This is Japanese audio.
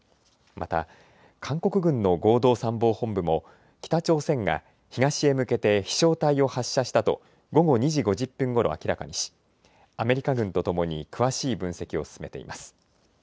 また、韓国軍の合同参謀本部も北朝鮮が東へ向けて飛しょう体を発射したと午後２時５０分ごろ明らかにしアメリカ軍とともに詳しい分析を進めています。